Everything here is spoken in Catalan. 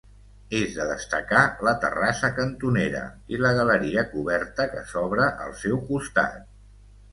És de destacar la terrassa cantonera, i la galeria coberta que s'obra al seu costat.